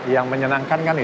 yang menyenangkan kan itu